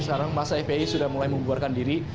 sekarang masa fpi sudah mulai membuarkan diri